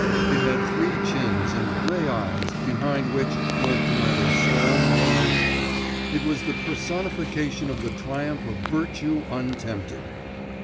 It had three chins, and grey eyes, behind which lurked neither soul nor emotion. It was the personification of the triumph of virtue untempted.